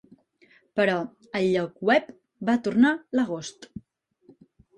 Però el lloc web va tornar l'agost.